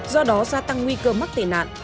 do đó gia tăng nguy cơ mắc tệ nạn